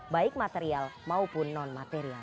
baik material maupun non material